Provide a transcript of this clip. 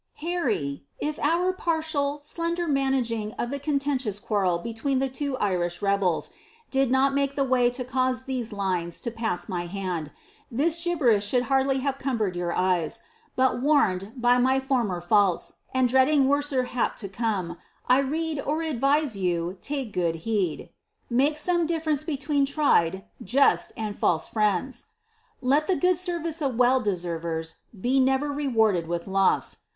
If our pnrtial, slender managing of the contentious quarrel between the two 3 rebeU, did not make the way to cause those lines to pass my haml, this •null Ahould hardly have cumbered your eyes; but warned by my former t, and dreading worser hap to come, I rede (atlvise) you take gooti heed. Make pome difference between tried, just, and false friends. Let SKhI tor vice of well de&ervers, be never rewarded with loss.